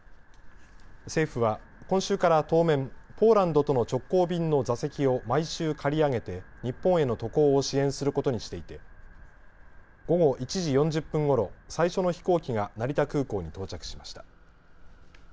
政府は今週から当面、ポーランドとの直行便の座席を毎週、借り上げて日本への渡航を支援することにしていて午後１時４０分ごろ、最初の飛行機が成田空港に到着しました。